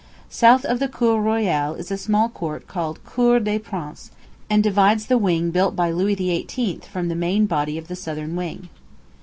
South of the Cour Royale is a small court called Cour des Princes, and divides the wing built by Louis XVIII. from the main body of the southern wing.